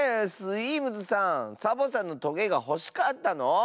スイームズさんサボさんのトゲがほしかったの？